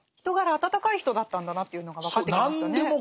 人柄温かい人だったんだなっていうのが分かってきましたね。